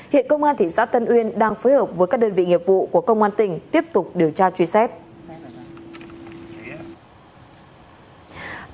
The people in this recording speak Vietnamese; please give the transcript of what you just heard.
hiện công an thị xã tân uyên đang phối hợp với các đơn vị nghiệp vụ của công an tỉnh tiếp tục điều tra truy xét